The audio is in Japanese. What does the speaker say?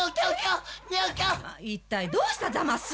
一体どうしたざます？